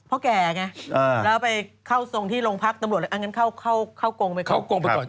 แล้วไปเข้าทรงที่โรงพักตำหรวดเลยอย่างงั้นเข้ากงไปก่อน